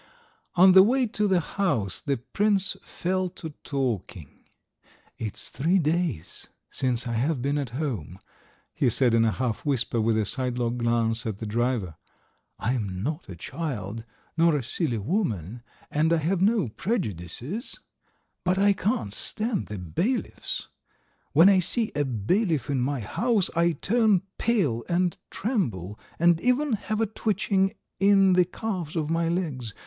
On the way to the house the prince fell to talking. "It's three days since I have been at home," he said in a half whisper, with a sidelong glance at the driver. "I am not a child, nor a silly woman, and I have no prejudices, but I can't stand the bailiffs. When I see a bailiff in my house I turn pale and tremble, and even have a twitching in the calves of my legs.